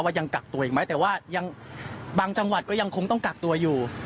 ยังกักตัวอีกไหมแต่ว่ายังบางจังหวัดก็ยังคงต้องกักตัวอยู่